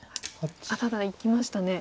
ただいきましたね。